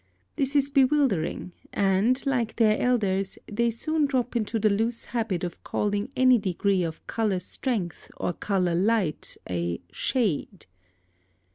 This is bewildering, and, like their elders, they soon drop into the loose habit of calling any degree of color strength or color light a "shade."